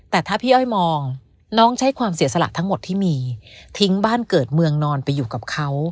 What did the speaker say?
แต่ถ้าพี่อ้อยมองน้องใช้ความเสียสละทั้งหมดที่มีทิ้งบ้านเกิดเมืองนอนไปอยู่กับเขา